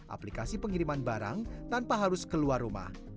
aplikasi pengiriman barang tanpa harus keluar rumah